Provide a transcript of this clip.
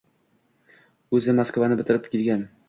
— O’zi Moskvani bitirib kelgan.